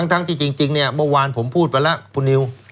ทั้งที่จริงเนี่ยเมื่อวานผมพูดไปแล้วคุณนิว